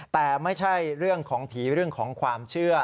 แต่ไม่ใช่เรื่องของผีเรื่องของความเชื่อ